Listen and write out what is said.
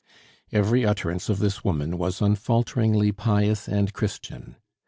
Every utterance of this woman was unfalteringly pious and Christian.